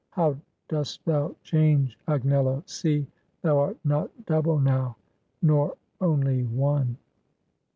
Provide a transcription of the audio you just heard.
how dost thou change, Agnello! See! thou art not double now, Nor only one!"